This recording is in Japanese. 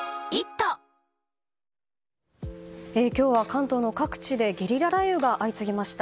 今日は関東の各地でゲリラ雷雨が相次ぎました。